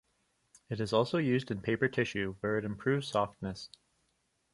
It is also used in paper tissue where it improves softness.